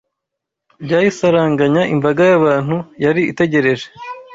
bayisaranganya imbaga y’abantu yari itegereje